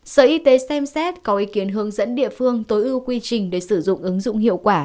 sở y tế xem xét có ý kiến hướng dẫn địa phương tối ưu quy trình để sử dụng ứng dụng hiệu quả